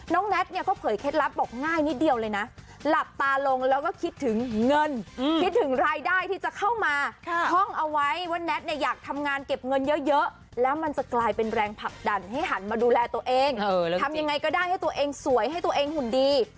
แน็ตเนี่ยเขาเผยเคล็ดลับบอกง่ายนิดเดียวเลยนะหลับตาลงแล้วก็คิดถึงเงินคิดถึงรายได้ที่จะเข้ามาท่องเอาไว้ว่าแน็ตเนี่ยอยากทำงานเก็บเงินเยอะแล้วมันจะกลายเป็นแรงผลักดันให้หันมาดูแลตัวเองทำยังไงก็ได้ให้ตัวเองสวยให้ตัวเองหุ่นดี